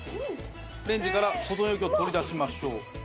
レンジから保存容器を取り出しましょう。